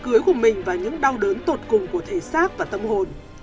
cưới của mình và những đau đớn tột cùng của thể xác và tâm hồn